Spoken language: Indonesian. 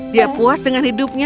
dia puas dengan hidupnya